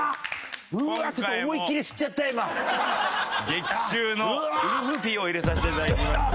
激臭のウルフピーを入れさせていただきました。